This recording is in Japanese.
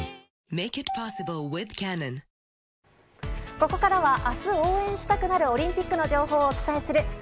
ここからは明日応援したくなるオリンピックの情報をお伝えする「＃